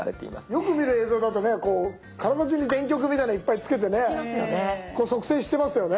よく見る映像だとねこう体じゅうに電極みたいなのをいっぱいつけてね測定してますよね。